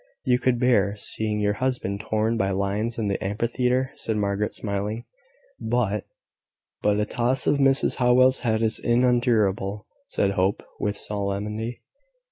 "You could bear seeing your husband torn by lions in the amphitheatre," said Margaret, smiling, "but..." "But a toss of Mrs Howell's head is unendurable," said Hope, with solemnity.